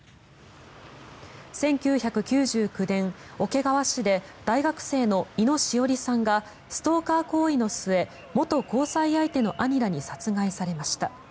１９９９年、桶川市で大学生の猪野詩織さんがストーカー行為の末元交際相手の兄らに殺害されました。